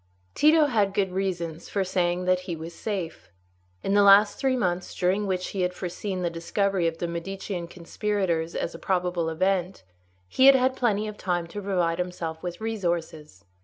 Tito had good reasons for saying that he was safe. In the last three months, during which he had foreseen the discovery of the Medicean conspirators as a probable event, he had had plenty of time to provide himself with resources.